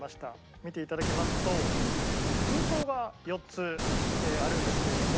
見ていただきますと封筒が４つあるんですけれども。